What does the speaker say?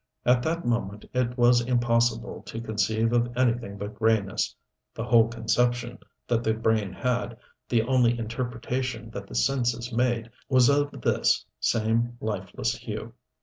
At that moment it was impossible to conceive of anything but grayness. The whole conception that the brain had, the only interpretation that the senses made was of this same, lifeless hue.